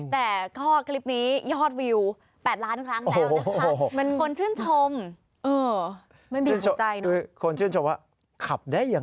แต่ข้อคลิปนี้ยอดวิว๘ล้านครั้งแล้วนะคะ